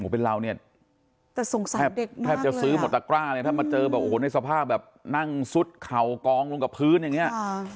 แต่สงสัยเด็กแทบจะซื้อหมดตะกร้าเลยถ้ามาเจอในสภาพแบบนั่งซุดเขากองลงกับพื้นอย่างเนี้ย